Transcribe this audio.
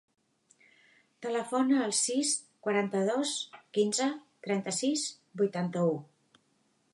Telefona al sis, quaranta-dos, quinze, trenta-sis, vuitanta-u.